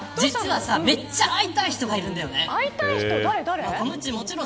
僕、実はめっちゃ会いたい人がいるんだよね。